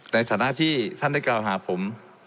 ในฐานะที่ท่านได้กล่าวหาผม